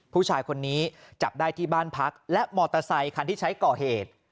ผู้ชายคนนี้จับได้ที่บ้านพักและมอเตอร์ไซคันที่ใช้ก่อเหตุ